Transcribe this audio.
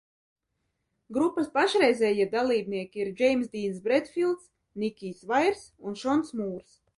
Grupas pašreizējie dalībnieki ir Džeimss Dīns Bredfīlds, Nikijs Vairs un Šons Mūrs.